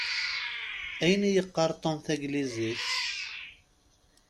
Ayen i yeqqar Tom taglizit?